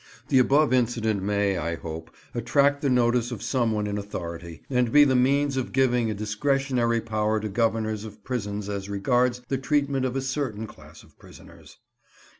The above incident may, I hope, attract the notice of someone in authority, and be the means of giving a discretionary power to governors of prisons as regards the treatment of a certain class of prisoners.